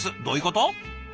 どういうこと？